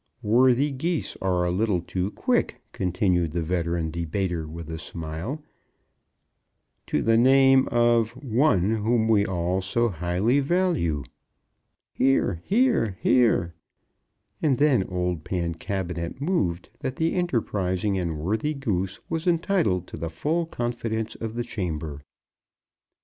"Worthy Geese are a little too quick," continued the veteran debater with a smile "to the name of one whom we all so highly value." (Hear, hear, hear.) And then old Pancabinet moved that the enterprising and worthy Goose was entitled to the full confidence of the chamber.